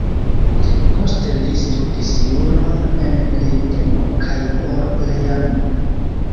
Poste li studis juron en Lejdeno kaj Orleano.